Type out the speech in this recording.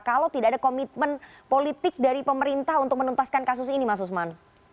kalau tidak ada komitmen politik dari pemerintah untuk menuntaskan kasus ini mas usman